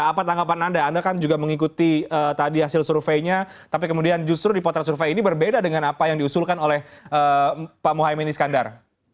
apa tanggapan anda anda kan juga mengikuti tadi hasil surveinya tapi kemudian justru di potret survei ini berbeda dengan apa yang diusulkan oleh pak mohaimin iskandar